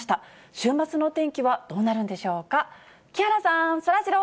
週末のお天気はどうなるんでしょうか。